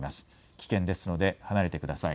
危険ですので離れてください。